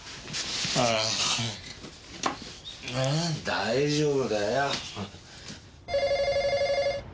大丈夫だよ。